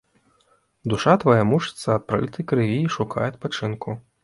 Душа твая мучыцца ад пралітай крыві і шукае адпачынку.